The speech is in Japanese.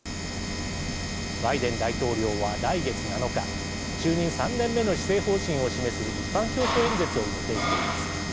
バイデン大統領は来月７日就任３年目の施政方針を示す一般教書演説を予定しています。